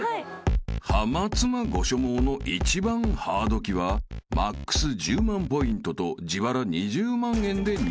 ［ハマ妻ご所望の一番ハード機はマックス１０万ポイントと自腹２０万円で入手可能］